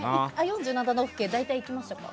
４７都道府県は大体行きましたか？